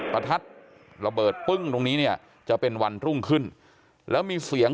ประทัดระเบิดปึ้งตรงนี้จะเป็นวันรุ่งขึ้นแล้วมีเสียงผู้หญิง